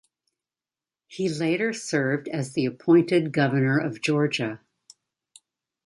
He later served as the appointed governor of Georgia.